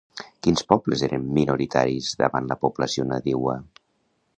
Quins pobles eren minoritaris davant la població nadiua?